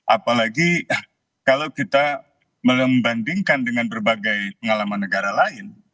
apalagi kalau kita membandingkan dengan berbagai pengalaman negara lain